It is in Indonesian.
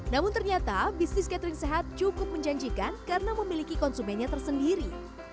namun ternyata bisnis catering sehat cukup menjanjikan karena memiliki konsumennya tersendiri